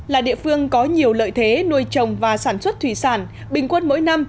là địa phương có nhiều lợi thế nuôi trồng và sản xuất thủy sản bình quân mỗi năm